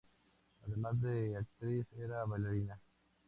Además de actriz era bailarina.